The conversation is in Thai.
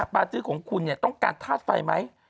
ปาชื้ของคุณเนี่ยต้องการธาตุไฟไหม